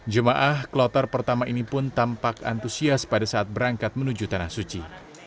jemaah kloter pertama ini pun tampak antusias pada saat berangkat menuju tanah suci